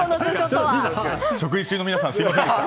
食事中の皆さんすみませんでした。